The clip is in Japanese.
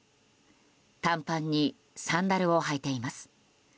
短パンにサンダルを履いています。